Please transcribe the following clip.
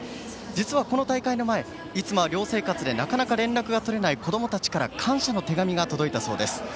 実はこの大会の前いつもは寮生活でなかなか連絡が取れない子どもたちから感謝の手紙が届いたそうです。